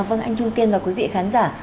vâng anh trung kiên và quý vị khán giả